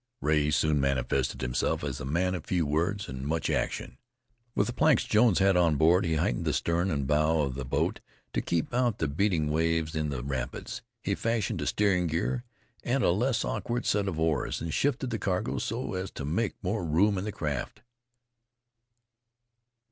Rea soon manifested himself as a man of few words and much action. With the planks Jones had on board he heightened the stern and bow of the boat to keep out the beating waves in the rapids; he fashioned a steering gear and a less awkward set of oars, and shifted the cargo so as to make more room in the craft.